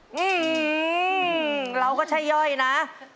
อืมเราก็ใช่ย่อยนะ